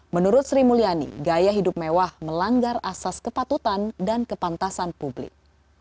menurut sri mulyani gaya hidup mewah melanggar asas kepatutan dan kepantasan publik